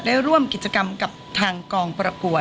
ได้ร่วมกิจกรรมกับทางกองประกวด